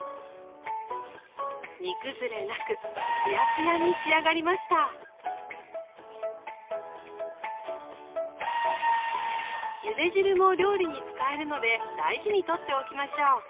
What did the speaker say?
煮崩れなくつやつやに仕上がりましたゆで汁も料理に使えるので大事にとっておきましょう。